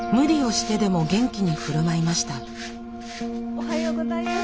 ・おはようございます。